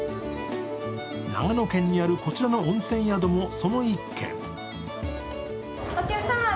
長野県にあるこちらの温泉宿もその一軒。